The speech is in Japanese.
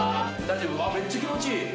めっちゃ気持ちいいあ！